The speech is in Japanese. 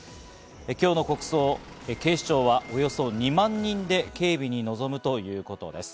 今日の国葬、警視庁はおよそ２万人で警備に臨むということです。